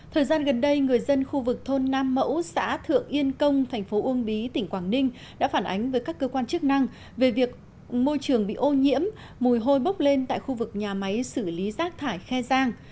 thời gian gần đây người dân khu vực thôn nam mẫu xã thượng yên công thành phố uông bí tỉnh quảng ninh đã phản ánh với các cơ quan chức năng về việc môi trường bị ô nhiễm mùi hôi bốc lên tại khu vực nhà máy xử lý rác thải khe giang